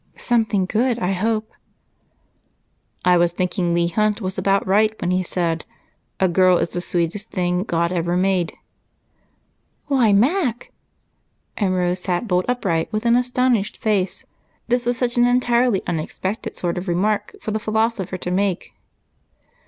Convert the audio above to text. "Something good, I hope?" "I was thinking Leigh Hunt was about right when he said, 'A girl is the sweetest thing God ever made.'" "Why, Mac!" and Rose sat bolt upright with an astonished face this was such an entirely unexpected sort of remark for the philosopher to make.